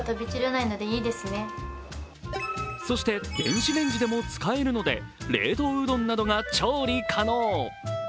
そして電子レンジでも使えるので、冷凍うどんなどが調理可能。